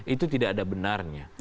itu tidak ada benarnya